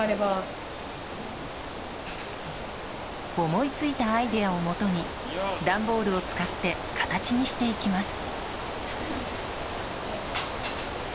思いついたアイデアをもとに段ボールを使って形にしていきます。